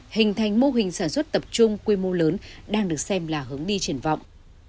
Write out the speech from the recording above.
hình thành mô hình sản xuất tập trung quy mô lớn đang được xem là hướng đi triển vọng